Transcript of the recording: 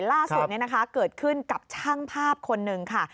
ล่าสุดเกิดขึ้นกับช่างภาพคนหนึ่งค่ะ